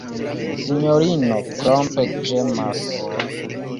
Sinjorino Klomp ĝemas.